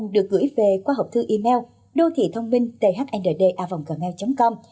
được gửi về qua hộp thư email đô thịthôngminhthnda com